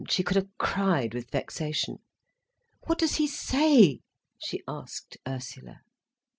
She could have cried with vexation. "What does he say?" she asked Ursula.